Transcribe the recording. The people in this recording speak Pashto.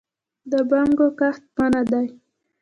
د بنګو کښت منع دی